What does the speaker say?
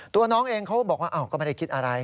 ตัวน้องเองเขาบอกว่าก็ไม่ได้คิดอะไร